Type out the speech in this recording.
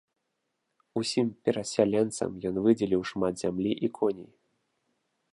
Усім перасяленцам ён выдзеліў шмат зямлі і коней.